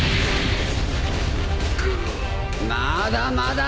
まだまだ。